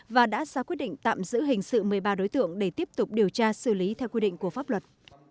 và đã ra quyết định tạm giữ hình sự một mươi ba đối tượng để tiếp tục điều tra xử lý theo quy định của pháp luật